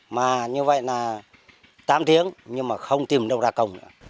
mà như vậy là tám tiếng nhưng mà không tìm đâu ra công nữa